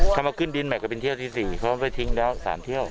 เขามาขึ้นดินใหม่ก็เป็นเที่ยวที่สี่เขาไปทิ้งแล้วสารเที่ยว